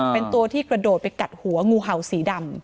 เป็นตัวที่กระโดดไปกัดหัวงูเห่าสีดำ